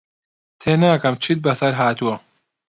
تێناگەم چیت بەسەر هاتووە.